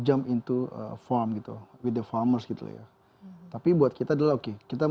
antunya di mana kelemah